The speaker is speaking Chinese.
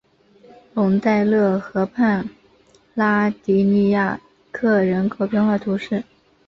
龙代勒河畔拉迪尼亚克人口变化图示